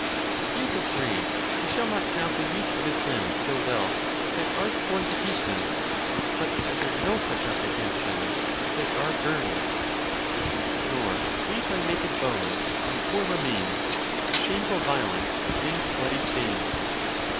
He is afraid he shall not have the use of his limbs so well if they are torn to pieces, but is under no such apprehen sions if they are burned: s ON THE CONTEMPT OF DEATH. 57 Nor leave my naked bones, my poor remains, To shameful violence and bloody' stains.